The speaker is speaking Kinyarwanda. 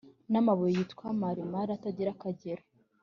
n amabuye yitwa marimari atagira akagero